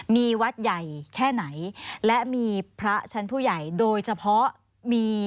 มีวัดใหญ่แค่ไหนและมีพระชั้นผู้ใหญ่โดยเฉพาะมี